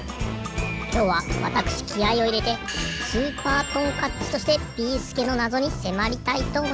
きょうはわたくしきあいをいれてスーパートンカッチとしてビーすけのなぞにせまりたいとおもいます。